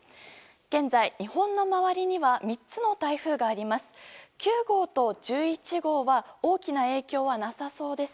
現在、日本の周りには３つの台風があります。